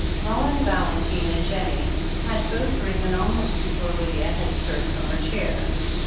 Roland Valentine and Jennie had both risen almost before Lydia had stirred from her chair.